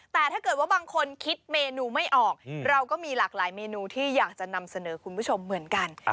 แต่ถ้าเกิดว่าบางคนคิดเมนูไม่ออกเราก็มีหลากหลายเมนูที่อยากจะนำเสนอคุณผู้ชมเหมือนกัน